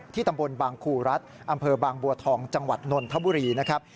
ตำบลบางครูรัฐอำเภอบางบัวทองจังหวัดนนทบุรีนะครับ